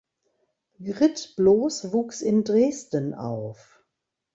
Grit Bloß wuchs in Dresden auf.